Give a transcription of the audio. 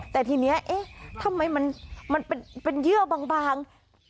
แต่ทีนี้เอ๊ะทำไมมันเป็นเยื่อบาง